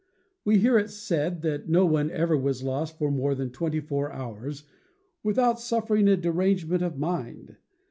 We hear it said that no one ever was lost for more than twenty four hours without suffering a derangement of mind.